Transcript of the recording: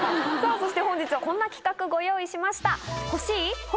そして本日はこんな企画ご用意しました。